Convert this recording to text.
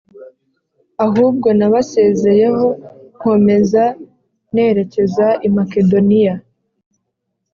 ahubwo nabasezeyeho nkomeza nerekeza i Makedoniya